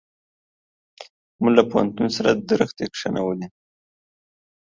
موږ له پوهنتون سره درختي کښېنولې.